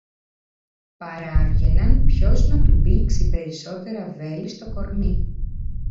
παράβγαιναν ποιος να του μπήξει περισσότερα βέλη στο κορμί.